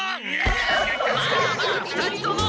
まあまあ２人とも！